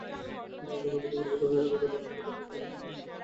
যেকোনো ধরনের অপ্রীতিকর ঘটনা এড়াতে রাস্তায় কঠোর নিরাপত্তার ব্যবস্থা নেওয়া হয়।